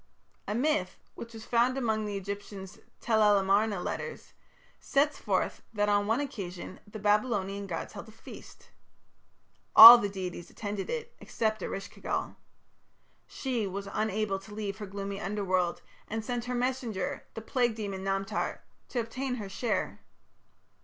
A myth, which was found among the Egyptian Tel el Amarna "Letters", sets forth that on one occasion the Babylonian gods held a feast. All the deities attended it, except Eresh ki gal. She was unable to leave her gloomy Underworld, and sent her messenger, the plague demon Namtar, to obtain her share.